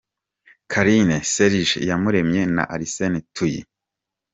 Carine, Serge Iyamuremye na Arsene Tuyi.